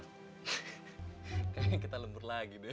kayaknya kita lembur lagi deh